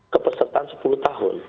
kepersertaan sepuluh tahun